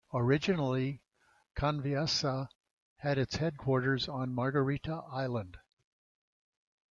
Originally Conviasa had its headquarters on Margarita Island.